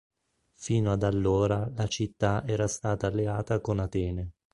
Fino ad allora la città era stata alleata con Atene.